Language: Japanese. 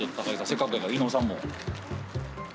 せっかくやから伊野尾さんも。